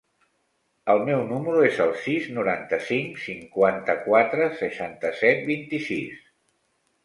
El meu número es el sis, noranta-cinc, cinquanta-quatre, seixanta-set, vint-i-sis.